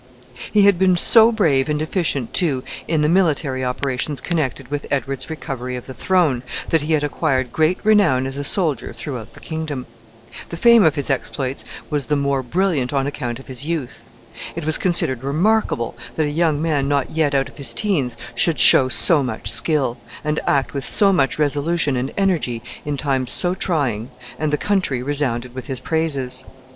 He had been so brave and efficient, too, in the military operations connected with Edward's recovery of the throne, that he had acquired great renown as a soldier throughout the kingdom. The fame of his exploits was the more brilliant on account of his youth. It was considered remarkable that a young man not yet out of his teens should show so much skill, and act with so much resolution and energy in times so trying, and the country resounded with his praises.